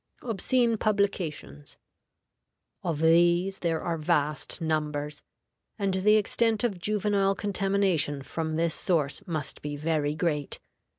OBSCENE PUBLICATIONS. Of these there are vast numbers, and the extent of juvenile contamination from this source must be very great.